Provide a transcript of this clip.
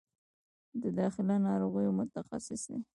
د داخله ناروغیو متخصص دی